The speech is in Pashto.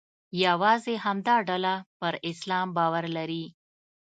یوازې همدا ډله پر اسلام باور لري.